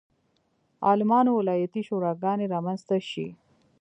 عالمانو ولایتي شوراګانې رامنځته شي.